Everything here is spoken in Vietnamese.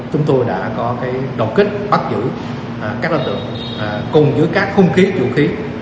chúng tôi đã có cái đột kích bắt giữ các đối tượng cùng với các khung khí vũ khí